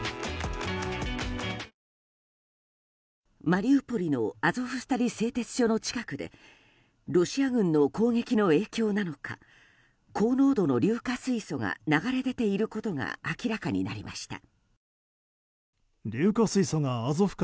マリウポリのアゾフスタリ製鉄所の近くでロシア軍の攻撃の影響なのか高濃度の硫化水素が流れ出ていることが明らかになりました。